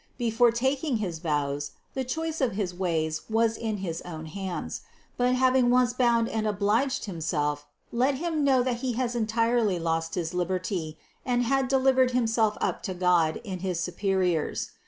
Before taking his vows, the choice of his ways was in his own hands; but having once bound and obliged himself, let him know that he has entirely lost his liberty and had delivered himself up to God in his superiors.